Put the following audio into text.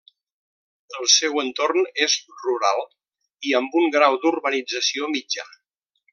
El seu entorn és rural i amb un grau d'urbanització mitjà.